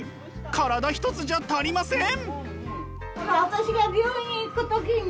体一つじゃ足りません！